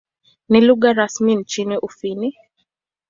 Ni lugha rasmi nchini Ufini.